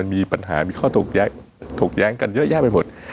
มีปัญหามีข้อถูกแย้งกันเยอะแยะไปหมด